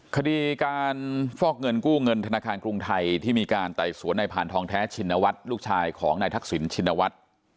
คดีการฟอกเงินกู้เงินธนาคารกรุงไทยที่มีการไต่สวนในผ่านทองแท้ชินวัฒน์ลูกชายของนายทักษิณชินวัฒน์